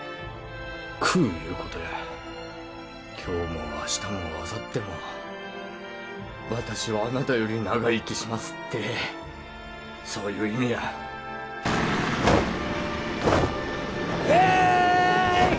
食ういうことや今日も明日もあさっても私はあなたより長生きしますってそういう意味やヘーイ！